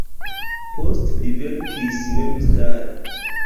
Poste li verkis memstare.